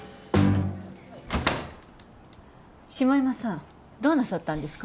下山さんどうなさったんですか？